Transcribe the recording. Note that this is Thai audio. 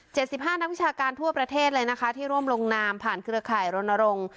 สิบห้านักวิชาการทั่วประเทศเลยนะคะที่ร่วมลงนามผ่านเครือข่ายรณรงค์